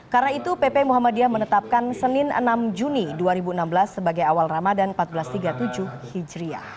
karena itu pp muhammadiyah menetapkan senin enam juni dua ribu enam belas sebagai awal ramadan seribu empat ratus tiga puluh tujuh hijriah